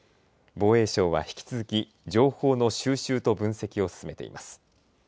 防衛省は引き続き情報の収集と分析を進めています。